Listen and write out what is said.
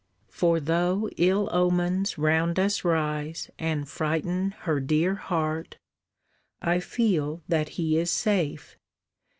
"For though ill omens round us rise And frighten her dear heart, I feel That he is safe.